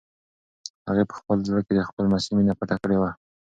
هغې په خپل زړه کې د خپل لمسي مینه پټه کړې وه.